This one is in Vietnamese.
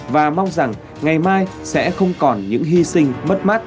và mong rằng ngày mai sẽ không còn những hy sinh mất mát